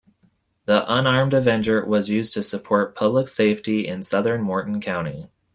The unarmed Avenger was used to support public safety in southern Morton County.